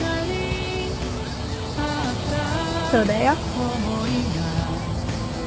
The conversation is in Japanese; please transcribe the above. そうだよ。